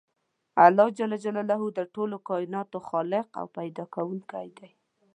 الله ج د ټولو کایناتو خالق او پیدا کوونکی دی .